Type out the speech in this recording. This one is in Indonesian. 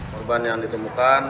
korban yang ditemukan